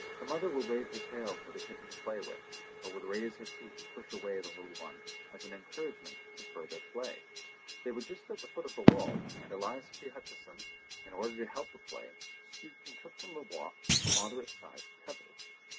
The mother would wave her tail for the kitten to play with, or would raise her feet and push away the little one as an encouragement to further play. They were just at the foot of the wall, and Elias P. Hutcheson, in order to help the play, stooped and took from the walk a moderate sized pebble.